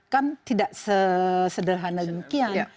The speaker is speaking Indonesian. kan tidak sederhana demikian